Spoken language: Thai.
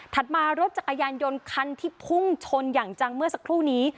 มารถจักรยานยนต์คันที่พุ่งชนอย่างจังเมื่อสักครู่นี้